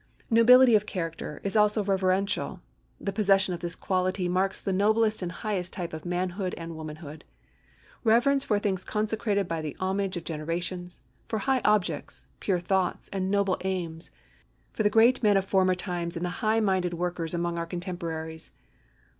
Nobility of character is also reverential. The possession of this quality marks the noblest and highest type of manhood and womanhood. Reverence for things consecrated by the homage of generations, for high objects, pure thoughts, and noble aims, for the great men of former times and the high minded workers among our contemporaries.